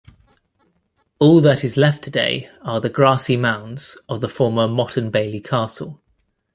All that is left today are the grassy mounds of the former Motte-and-Bailey castle.